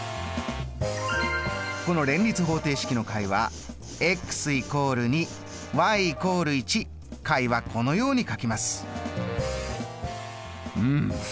この連立方程式の解は解はこのように書きます。